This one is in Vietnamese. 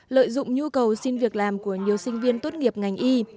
lợi dụng nhu cầu xin việc làm của nhiều sinh viên tốt nghiệp ngành y